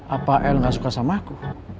apa l gak suka sama aku